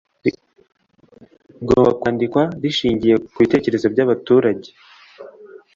rigomba kwandikwa rishingiye ku bitekerezo by'abaturage